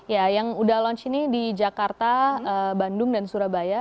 ya yang udah launch ini di jakarta bandung dan surabaya